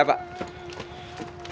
wah berapa ini